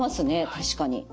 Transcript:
確かに。